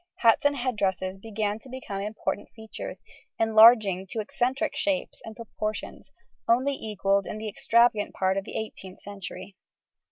Hats and head dresses began to become important features, enlarging to eccentric shapes and proportions, only equalled in the extravagant part of the 18th century.